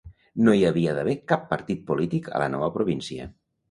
No hi havia d'haver cap partit polític a la nova província.